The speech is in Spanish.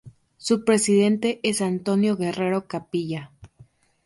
Su presidente es Antonio Guerrero Capilla.